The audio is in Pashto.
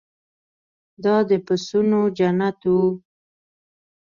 دا د پسونو جنت و.